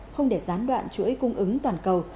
không để gián đoạn chuỗi cung ứng toàn cầu